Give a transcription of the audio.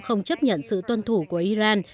không chấp nhận sự tuân thủ của iran